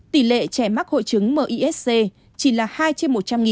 tỷ lệ trẻ mắc hội chứng misc chỉ là hai trên một trăm linh